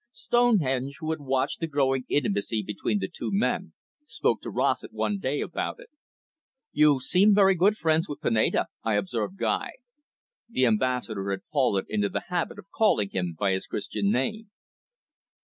Stonehenge, who had watched the growing intimacy between the two men, spoke to Rossett one day about it. "You seem very great friends with Pineda, I observe, Guy." The Ambassador had fallen into the habit of calling him by his Christian name.